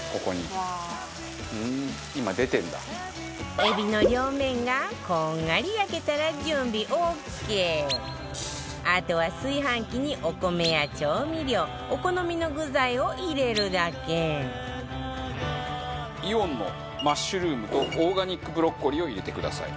エビの両面がこんがり焼けたら準備オーケーあとは炊飯器に、お米や調味料お好みの具材を入れるだけイオンのマッシュルームとオーガニックブロッコリーを入れてください。